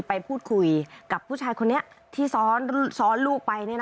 ไปพูดคุยกับผู้ชายคนนี้ที่ซ้อนลูกไป